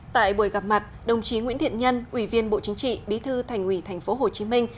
tại buổi gặp mặt đồng chí nguyễn thiện nhân ủy viên bộ chính trị bí thư thành ủy thành phố hồ chí minh